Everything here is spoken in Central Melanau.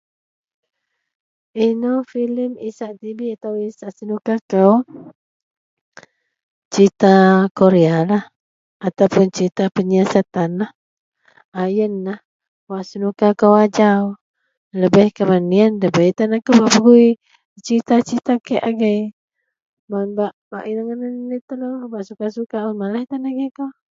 Eno filem isak tibi atau isak senuka kou. Serita korealah ataupuon serita penyiasatan lah a iyenlah wak senuka kou ajau lebeh kuman iyen dabei tan akou bak pegui serita-serita kieh agei mun bak ino ngadan laei telo bak suka-suka malaih tan agei akou.